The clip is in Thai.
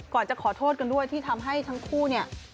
จะขอโทษกันด้วยที่ทำให้ทั้งคู่เนี่ย